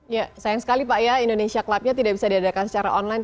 ya sayang sekali pak ya indonesia clubnya tidak bisa diadakan secara online